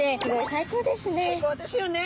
最高ですよね。